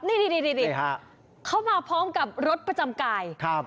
นี่เขามาพร้อมกับรถประจำกาย